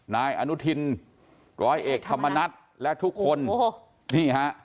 นายอนุทินศ์ร้อยเอกธรรมนัฐและทุกคน